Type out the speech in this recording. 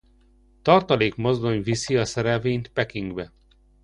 Tartalék mozdony viszi a szerelvényt Pekingbe.